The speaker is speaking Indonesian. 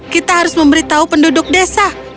kita harus memberitahu penduduk desa